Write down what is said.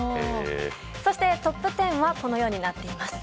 そして、トップ１０はこのようになっています。